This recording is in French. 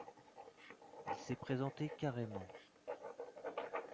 Il s’est présenté carrément…